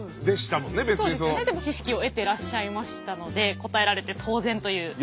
でも知識を得てらっしゃいましたので答えられて当然という。